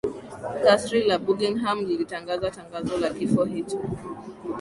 kasri la buckingham lilitangaza tangazo la kifo hicho